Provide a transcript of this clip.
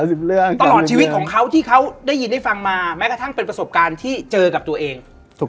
ตลอดชีวิตของเขาที่เขาได้ยินได้ฟังมาแม้กระทั่งเป็นประสบการณ์ที่เจอกับตัวเอง